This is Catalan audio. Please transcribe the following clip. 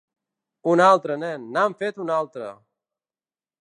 Un altre, nen, n'han fet un altre!